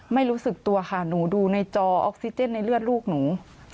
ไม่รู้สึกตัวค่ะหนูดูในจอออกซิเจนในเลือดลูกหนู